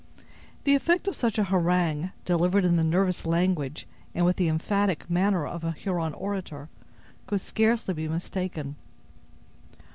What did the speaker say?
The effect of such an harangue, delivered in the nervous language and with the emphatic manner of a Huron orator, could scarcely be mistaken.